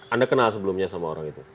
anda kenal sebelumnya sama orang itu